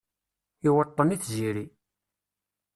Iweṭṭen i tziri